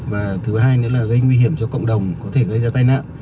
và thứ hai nữa là gây nguy hiểm cho cộng đồng có thể gây ra tai nạn